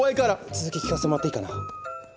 続き聞かせてもらっていいかな？